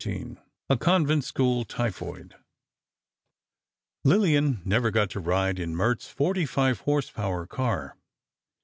XIV A CONVENT SCHOOL. TYPHOID Lillian never got to ride in Mert's 45 horsepower car.